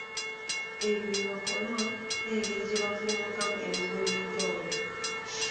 Ebyo bye bakola n'engeri gye bavvuunukamu ebizibu eby'enjawulo,